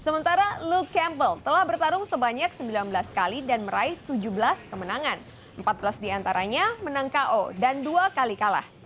sementara look campel telah bertarung sebanyak sembilan belas kali dan meraih tujuh belas kemenangan empat belas diantaranya menang ko dan dua kali kalah